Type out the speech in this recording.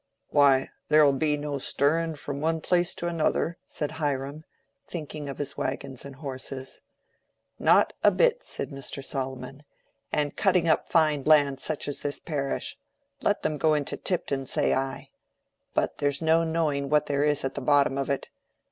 "Why, there'll be no stirrin' from one pla ace to another," said Hiram, thinking of his wagon and horses. "Not a bit," said Mr. Solomon. "And cutting up fine land such as this parish! Let 'em go into Tipton, say I. But there's no knowing what there is at the bottom of it.